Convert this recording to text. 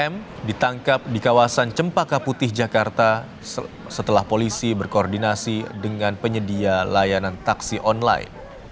m ditangkap di kawasan cempaka putih jakarta setelah polisi berkoordinasi dengan penyedia layanan taksi online